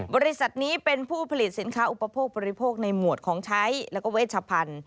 บริษัทนี้เป็นผู้ผลิตสินค้าอุปโภคบริโภคในหมวดของใช้แล้วก็เวชพันธุ์